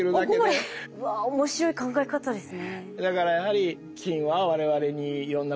うわ面白い考え方ですね。